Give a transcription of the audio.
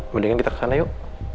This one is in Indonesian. mendingan kita ke sana yuk